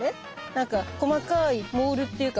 なんか細かいモールっていうか